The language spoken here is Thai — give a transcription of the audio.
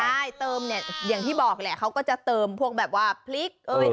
ใช่เติมอย่างที่บอกแหละเค้าก็จะเติมพวกแบบผลิก